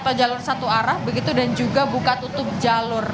jadi ini adalah satu arah begitu dan juga buka tutup jalur